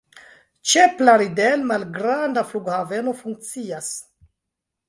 Ĉe Plaridel malgranda flughaveno funkcias.